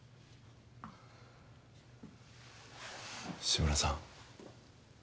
志村さん